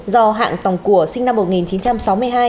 do hạng tòng của sinh năm một nghìn chín trăm sáu mươi hai